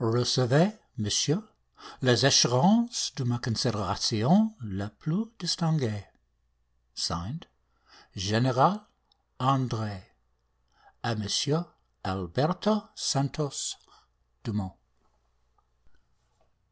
Recevez, Monsieur, les assurances de ma considération la plus distinguée. (Signed) General Andre. A Monsieur Alberto Santos Dumont.